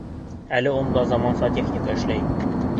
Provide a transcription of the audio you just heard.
Әле унда заманса техника эшләй.